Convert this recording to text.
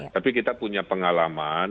tapi kita punya pengalaman